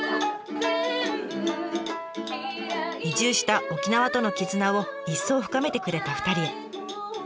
移住した沖縄との絆を一層深めてくれた２人へ。